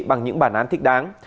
bằng những bản án thích đáng